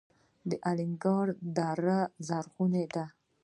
د الینګار دره زرغونه ده